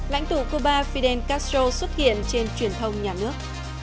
lãnh tụ cuba fidel castro xuất hiện trên truyền thông nhà nước